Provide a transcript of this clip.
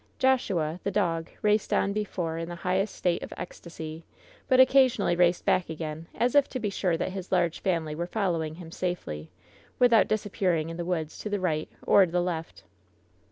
Joshua, the dog, raced on before in the highest state of ecstasy, but occasionally raced back again, as if to be sure that his large family were following him safely LOVE'S BITTEREST CUP 169 without disappearing in the woods to the right or the left.